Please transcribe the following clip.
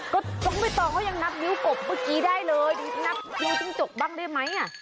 ก็น้องใบตองเขายังนับนิ้วกบเมื่อกี้ได้เลยนับนิ้วจิ้งจกบ้างได้ไหมอ่ะ